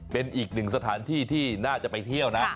เป็นอีกหนึ่งสถานที่ที่น่าจะไปเที่ยวนะ